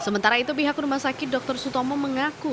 sementara itu pihak rumah sakit dr sutomo mengaku